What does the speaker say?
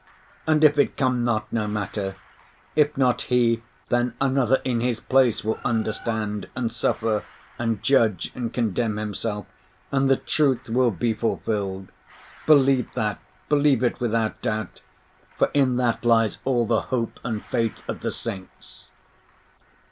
And if it come not, no matter; if not he, then another in his place will understand and suffer, and judge and condemn himself, and the truth will be fulfilled. Believe that, believe it without doubt; for in that lies all the hope and faith of the saints.